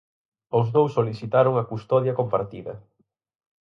Os dous solicitaron a custodia compartida.